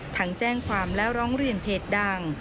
ทั้งแจ้งความและร้องเรียนเพจดัง